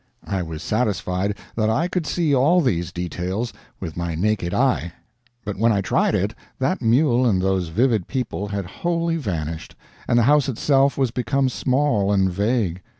I was satisfied that I could see all these details with my naked eye; but when I tried it, that mule and those vivid people had wholly vanished, and the house itself was become small and vague.